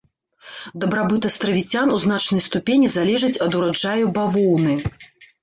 Дабрабыт астравіцян у значнай ступені залежыць ад ураджаяў бавоўны.